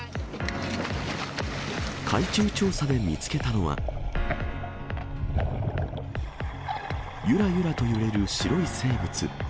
海中調査で見つけたのは、ゆらゆらと揺れる白い生物。